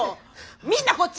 見んなこっち！